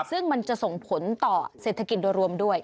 ซึ่งมันจะส่งผลต่อเศรษฐกิจโดยรวมด้วย